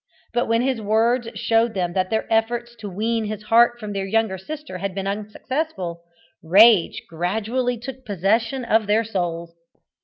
But when his words showed them that their efforts to wean his heart from their younger sister had been unsuccessful, rage gradually took possession of their souls.